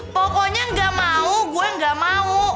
pokoknya nggak mau gue gak mau